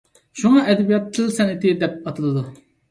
شۇڭا ئەدەبىيات تىل سەنئىتى دەپ ئاتىلىدۇ.